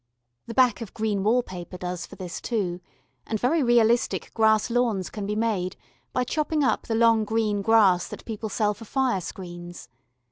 The back of green wall paper does for this, too; and very realistic grass lawns can be made by chopping up the long green grass that people sell for fire screens.